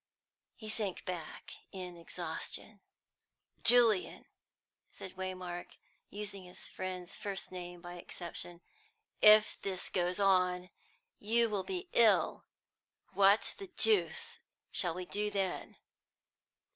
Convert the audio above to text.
He sank beck in exhaustion. "Julian," said Waymark, using his friend's first name by exception, "if this goes on, you will be ill. What the deuce shall we do then?"